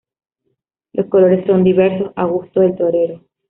Los colores son diversos, a gusto del torero.